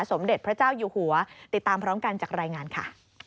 สมเด็จพระเจ้าอยู่หัวติดตามพร้อมกันจากรายงานค่ะ